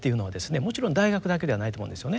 もちろん大学だけではないと思うんですよね。